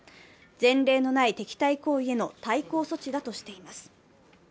全例のない敵対行為への対抗措置だとしています。